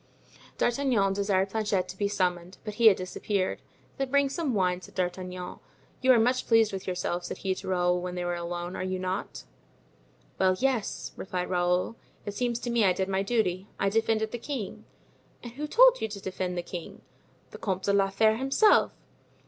D'Artagnan desired Planchet to be summoned, but he had disappeared. "Then bring some wine," said D'Artagnan. "You are much pleased with yourself," said he to Raoul when they were alone, "are you not?" "Well, yes," replied Raoul. "It seems to me I did my duty. I defended the king." "And who told you to defend the king?" "The Comte de la Fere himself."